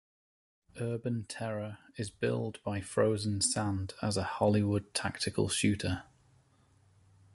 "Urban Terror" is billed by FrozenSand as a "Hollywood tactical shooter.